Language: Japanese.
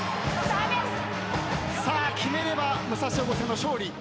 さあ決めれば武蔵越生の勝利。